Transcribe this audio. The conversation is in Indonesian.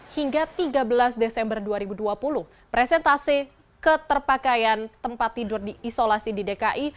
hingga tiga belas desember dua ribu dua puluh presentase keterpakaian tempat tidur di isolasi di dki